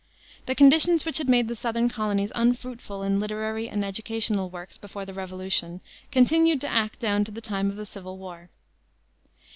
The conditions which had made the southern colonies unfruitful in literary and educational works before the Revolution continued to act down to the time of the civil war.